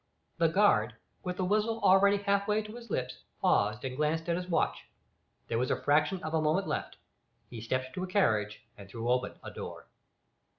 The guard, with the whistle already half way to his lips, paused and glanced at his watch. There was a fraction of a moment left. He stepped to a carriage and threw open a door.